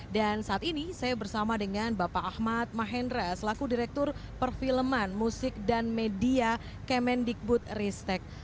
dan saat ini saya bersama dengan bapak ahmad mahendra selaku direktur perfilman musik dan media kemendikbud ristek